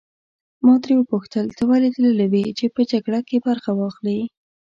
ما ترې وپوښتل ته ولې تللی وې چې په جګړه کې برخه واخلې.